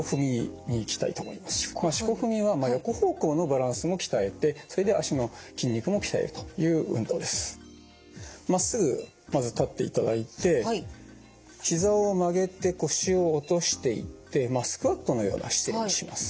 このしこ踏みはまっすぐまず立っていただいてひざを曲げて腰を落としていってスクワットのような姿勢にします。